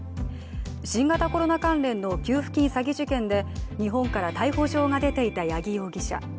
新型コロナ関連の給付金詐欺事件で日本から逮捕状が出ていた八木容疑者。